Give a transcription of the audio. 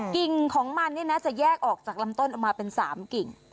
กิ่งของมันเนี่ยนะจะแยกออกจากลำต้นออกมาเป็น๓กิ่ง